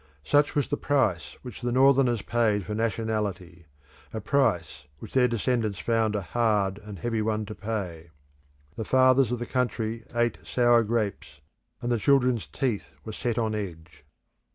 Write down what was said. Such was the price which the Northerners paid for nationality a price which their descendants found a hard and heavy one to pay. The fathers of the country ate sour grapes, and the children's teeth were set on edge.